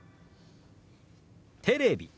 「テレビ」。